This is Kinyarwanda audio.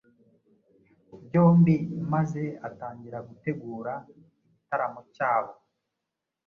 byombi maze atangira gutegura igitaramo cyabo